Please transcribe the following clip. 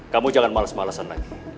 kamu jangan males malesan lagi